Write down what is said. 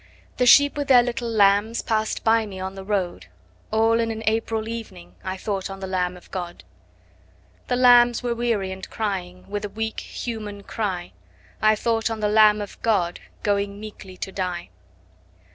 The sheep with their little lambs 5 Pass'd me by on the road; All in an April evening I thought on the Lamb of God. The lambs were weary, and crying With a weak human cry, 10 I thought on the Lamb of God Going meekly to die.